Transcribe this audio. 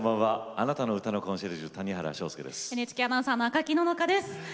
あなたの歌のコンシェルジュＮＨＫアナウンサー赤木野々花です。